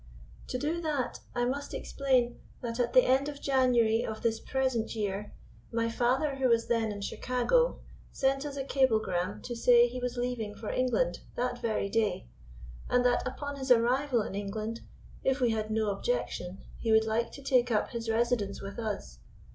"To do that, I must explain that at the end of January of this present year, my father, who was then in Chicago, sent us a cablegram to say he was leaving for England that very day, and that, upon his arrival in England, if we had no objection, he would like to take up his residence with us.